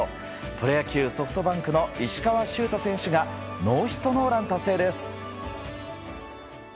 プロ野球、ソフトバンクの石川柊太選手がノーヒットノーラン達成です。